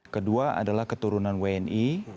kedua adalah keturunan wni